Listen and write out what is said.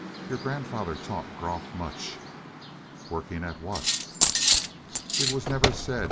Your grandfather taught Groff much." "Working at what?" "It was never said.